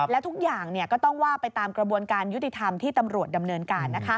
และทุกอย่างก็ต้องว่าไปตามกระบวนการยุติธรรมที่ตำรวจดำเนินการ